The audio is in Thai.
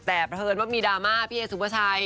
แต่เพราะเทินว่ามีดาร์ม่าพี่เอ๋ซุภาชัย